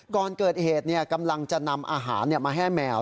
ก่อนเกิดเหตุกำลังจะนำอาหารมาให้แมว